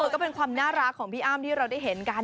ก็เป็นความน่ารักของพี่อ้ำที่เราได้เห็นกัน